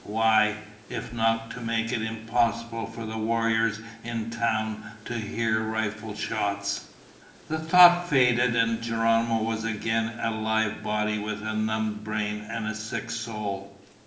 Why, if not to make it impossible for the warriors in town to hear rifle shots? The thought faded and Geronimo was again a live body with a numbed brain and sick soul.